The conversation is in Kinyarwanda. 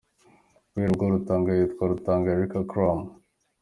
Guhera ubwo Rutanga yitwa Rutanga Eric Akram.